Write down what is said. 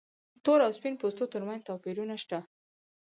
تور او سپین پوستو تر منځ توپیرونه شته.